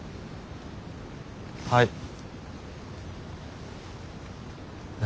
はい。